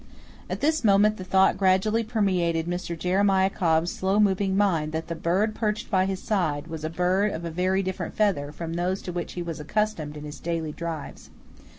At this moment the thought gradually permeated Mr. Jeremiah Cobb's slow moving mind that the bird perched by his side was a bird of very different feather from those to which he was accustomed in his daily drives.